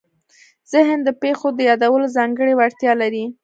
ذهن د پېښو د یادولو ځانګړې وړتیا لري.